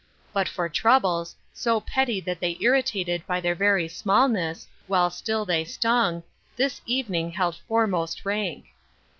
But for troubles, so petty that they irritated by their very smallness, while still they stung, this evening held foremost rank.